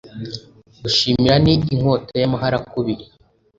gushimira ni inkota y'amaharakubiri